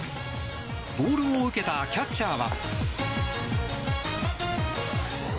ボールを受けたキャッチャーは。